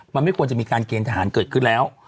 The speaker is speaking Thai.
มันไม่ควรจะมีการเกณฑ์ทหารเกิดขึ้นแล้ว